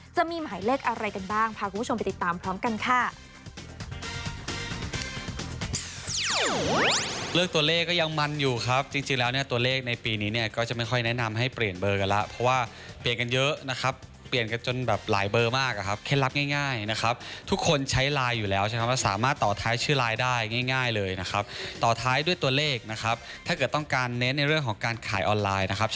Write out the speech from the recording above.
จะมีหมายเลขอะไรกันบ้างพาคุณผู้ชมไปติดตามพร้อมกันค่ะ